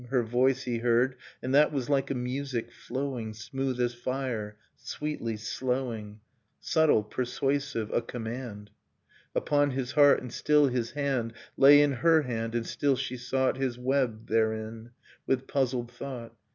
Her voice he heard, ' And that was like a music, flowing \ Smooth as fire, sweetly slowing, j Subtle, persuasive, a command j ! Nocturne of Remembered Spring Upon his heart; and still his hand Lay in her hand, and still she sought His web therein with puzzled thought.